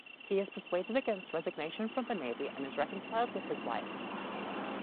He is persuaded against resignation from the navy and is reconciled with his wife.